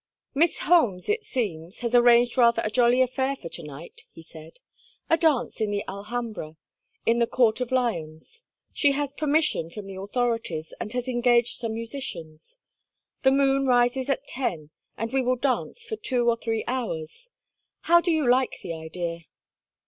"Miss Holmes, it seems, has arranged rather a jolly affair for to night," he said. "A dance in the Alhambra—in the Court of Lions. She has permission from the authorities, and has engaged some musicians. The moon rises at ten, and we will dance for two or three hours. How do you like the idea?"